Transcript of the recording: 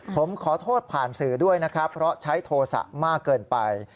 ผมขอโทษผ่านสื่อด้วยนะครับเพราะใช้โทษะมากเกินไป